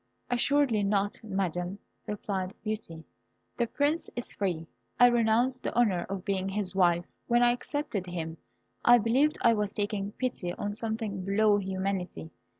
"Assuredly not, Madam," replied Beauty. "The Prince is free. I renounce the honour of being his wife. When I accepted him, I believed I was taking pity on something below humanity.